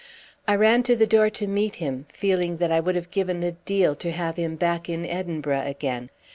I ran to the door to meet him, feeling that I would have given a deal to have him back in Edinburgh again.